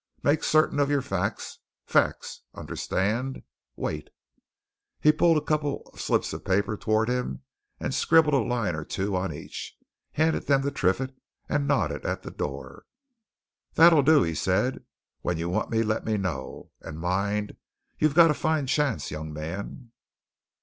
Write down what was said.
Make certain of your facts. Facts! understand! Wait." He pulled a couple of slips of paper towards him, scribbled a line or two on each, handed them to Triffitt, and nodded at the door. "That'll do," he said. "When you want me, let me know. And mind you've got a fine chance, young man."